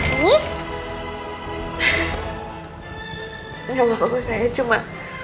gak mau saya cuma